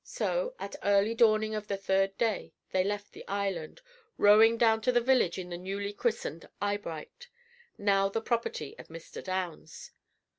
So, at early dawning of the third day, they left the island, rowing down to the village in the newly christened "Eyebright," now the property of Mr. Downs.